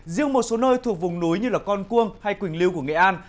riêng một số nơi thuộc vùng núi như con cuông hay quỳnh lưu của nghệ an